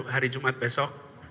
hari jumat besok